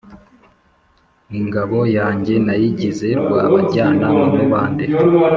Ingabo yanjye nayigize Rwabajyana mu mubande,